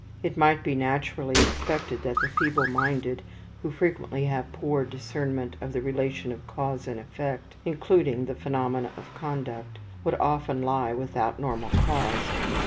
It might be naturally expected that the feebleminded, who frequently have poor discernment of the relation of cause and effect, including the phenomena of conduct, would often lie without normal cause.